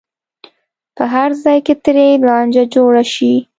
په هر ځای کې ترې لانجه جوړه شي.